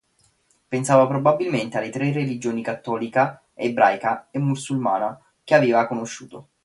Pensava probabilmente alle tre religioni cattolica, ebraica e musulmana che aveva conosciuto.